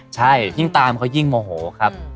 ใช่ยิ่งตามเขายิ่งโมโหครับ